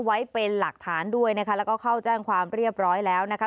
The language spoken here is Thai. ไว้เป็นหลักฐานด้วยนะคะแล้วก็เข้าแจ้งความเรียบร้อยแล้วนะคะ